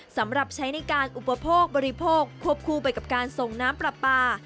สำหรับใช้ในการอุปโภคบริโภคควบคู่ไปกับการส่งน้ำปลาปลา